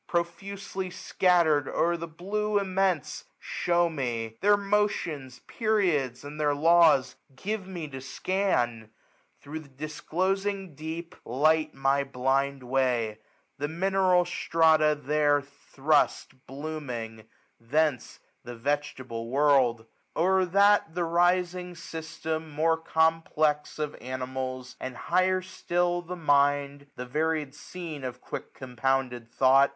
Profusely scattered o'er the blue immense,. Shew me ; ijieir motions, periods, and their law^. Give me to scan ; thro' the disclosing deep . 13 j;5 JLight my blind way : the mineral strata there j Thrust, blooming, thence the vegetable world i z 2 IT! AUTUMN. 0*er that the rising system, more complex. Of ammals; aad higher still, the caind, 1360 The varied scene of quick compounded thought.